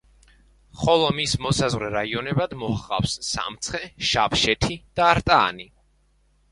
ხოლო მის მოსაზღვრე რაიონებად მოჰყავს: სამცხე, შავშეთი და არტაანი.